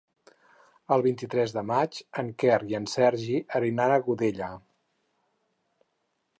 El vint-i-tres de maig en Quer i en Sergi aniran a Godella.